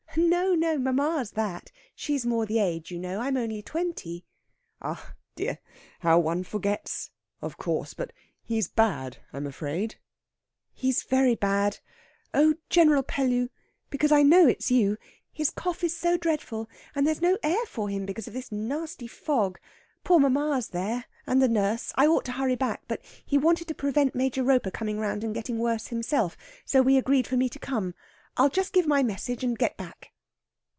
"No, no; mamma's that! She's more the age, you know. I'm only twenty." "Ah dear! how one forgets! Of course, but he's bad, I'm afraid." "He's very bad. Oh, General Pellew because I know it's you his cough is so dreadful, and there's no air for him because of this nasty fog! Poor mamma's there, and the nurse. I ought to hurry back; but he wanted to prevent Major Roper coming round and getting worse himself; so we agreed for me to come. I'll just give my message and get back."